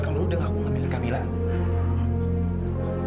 kalau lo udah ngaku ngamilin kamilah